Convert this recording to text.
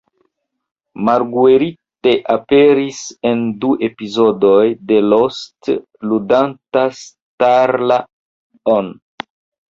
Marguerite aperis en du epizodoj de "Lost", ludanta Starla-on.